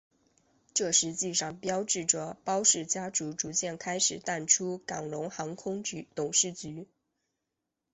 这实际上标志着包氏家族逐渐开始淡出港龙航空董事局。